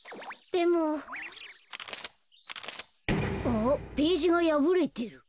あっページがやぶれてる。